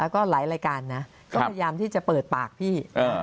ก็พยายามที่จะเปิดปากพี่